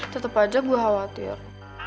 tetep aja gue khawatir